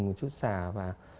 một chút sả vào